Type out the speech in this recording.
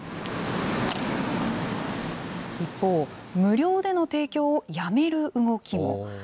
一方、無料での提供をやめる動きも。